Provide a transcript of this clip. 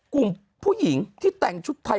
กลุ่มผู้หญิงที่แต่งชุดไทย